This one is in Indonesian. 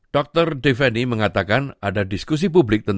dr defendi mengatakan ada diskusi publik